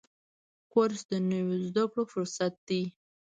کورس د نویو زده کړو فرصت دی.